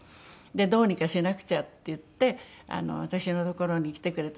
どうにかしなくちゃっていって私の所に来てくれた。